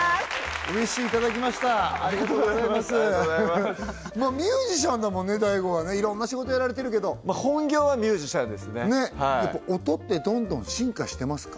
ウィッシュいただきましたありがとうございますミュージシャンだもんねＤＡＩＧＯはいろんな仕事やられてるけど本業はミュージシャンですねやっぱ音ってどんどん進化してますか？